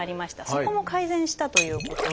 そこも改善したということで。